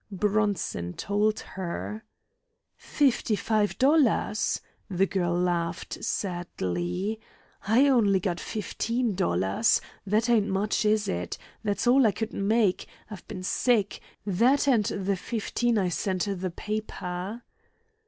Bronson told her. "Fifty five dollars!" The girl laughed, sadly. "I only got fifteen dollars. That ain't much, is it? That's all I could make I've been sick that and the fifteen I sent the paper."